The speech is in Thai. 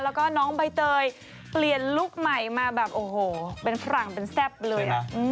แล้วก็น้องใบเตยเปลี่ยนลุคใหม่มาแบบโอ้โหเป็นฝรั่งเป็นแซ่บเลยนะ